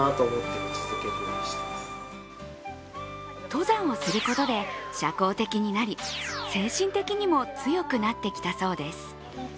登山をすることで社交的になり精神的にも強くなってきたそうです。